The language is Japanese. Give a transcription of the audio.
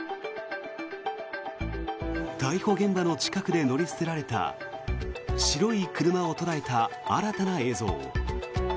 逮捕現場の近くで乗り捨てられた白い車を捉えた新たな映像。